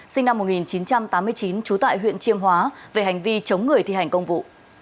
sinh năm một nghìn chín trăm tám mươi chín trú tại huyện chiêm hóa về hành vi chống người thi hành công vụ